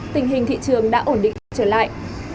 tình hình thị trường đã ổn định trở lại